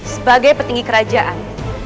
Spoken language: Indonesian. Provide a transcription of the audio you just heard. sebagai petinggi kerajaan